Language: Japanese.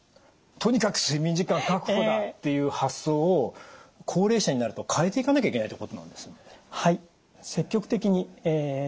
とにかく睡眠時間確保だっていう発想を高齢者になると変えていかなきゃいけないということなんですね？